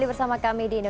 beda betul itu